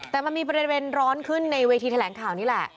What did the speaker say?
แต่มันมีประเด็นร้อนขึ้นในเวทีแถลงข่าวนี่แหละ